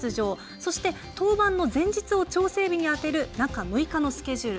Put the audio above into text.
そして登板の前日を調整日にあてる中６日のスケジュール。